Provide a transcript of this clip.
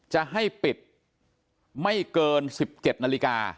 จะให้ปิดไม่เกิน๑๗นาฬิกา